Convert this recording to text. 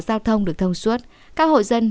giao thông được thông suốt các hộ dân